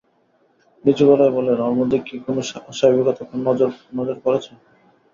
নিচু গলায় বললেন, ওর মধ্যে কি কোনো অস্বাভাবিকতা আপনার নজরে পড়েছে?